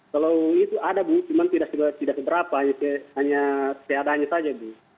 kalau itu ada bu cuma tidak seberapa hanya tiadanya saja bu